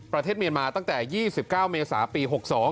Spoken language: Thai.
ประเทศเมียนมาตั้งแต่๒๙เมษาปี๖๒